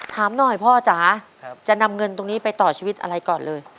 ถามหน่อยพ่อจ๋าจะนำเงินตรงนี้ไปต่อชีวิตอะไรก่อนเลย